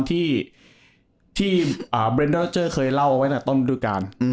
ที่เบรนดอเจอร์เคยเล่าไว้ฝากกับต้นธุรการ